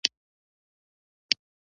پرمختیا د وګړو پرمختګ دی نه د اشیاوو.